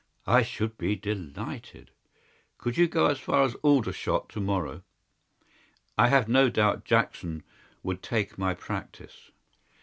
"I should be delighted." "Could you go as far as Aldershot to morrow?" "I have no doubt Jackson would take my practice."